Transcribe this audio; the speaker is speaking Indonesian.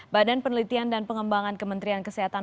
badan penelitian dan pengembangan kementerian kesehatan